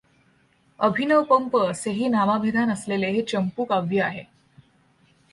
अभिनव पंप असेही नामाभिधान असलेले हे चम्पू काव्य आहे.